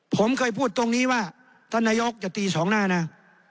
ผมเคยพูดตรงนี้ว่าท่านนายกจะตีสองหน้านะ